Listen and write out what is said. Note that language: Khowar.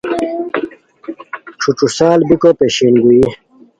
ݯھو ݯھو سال بیکو پیشنگوئی